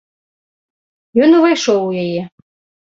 Ён увайшоў у яе.